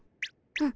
うん？